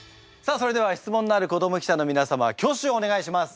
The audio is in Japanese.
それでは質問のある子ども記者の皆様挙手をお願いします。